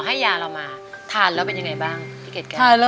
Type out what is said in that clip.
สามีก็ต้องพาเราไปขับรถเล่นดูแลเราเป็นอย่างดีตลอดสี่ปีที่ผ่านมา